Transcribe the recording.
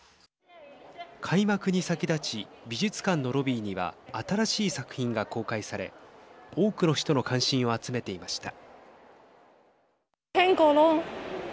開幕に先立ち、美術館のロビーには新しい作品が公開され多くの人の関心を集めていました。